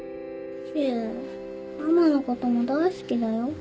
知恵ママのことも大好きだよ。